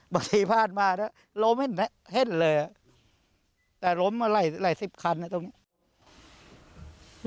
บางทีพาดมาแล้วล้มให้เห็นเลยอ่ะแต่ล้มมาไหล่ไหล่สิบคันอ่ะตรงนี้